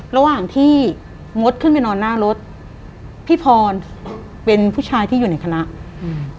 ระหว่างที่มดขึ้นไปนอนหน้ารถพี่พรเป็นผู้ชายที่อยู่ในคณะอืม